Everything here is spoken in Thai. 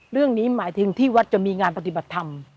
เรื่องนี้หมายถึงที่วัดจะมีงานปฏิบัติธรรม